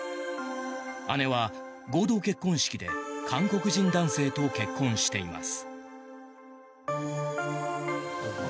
姉は合同結婚式で韓国人男性と結婚しています。